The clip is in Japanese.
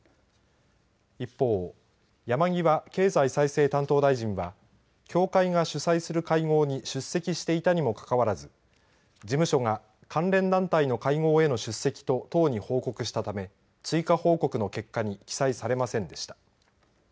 一方、山際経済再生担当大臣は教会が主催する会合に出席していたにもかかわらず事務所が関連団体の会合への出席と党に報告したため追加報告の結果に記載されませんでした。